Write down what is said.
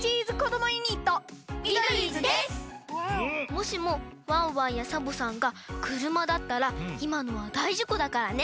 もしもワンワンやサボさんがくるまだったらいまのはだいじこだからね。